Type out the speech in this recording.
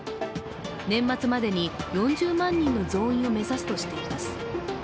年末までに４０万人の増員を目指すとしています。